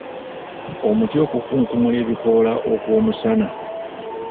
Omuti okukunkumula ebikoola okw’omusana.